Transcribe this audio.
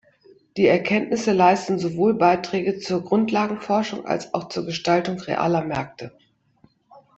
Die Erkenntnisse leisten sowohl Beiträge zur Grundlagenforschung als auch zur Gestaltung realer Märkte.